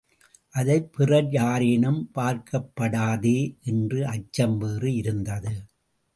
அதைப் பிறர் யாரேனும் பார்க்கப்படாதே என்ற அச்சம் வேறு இருந்தது.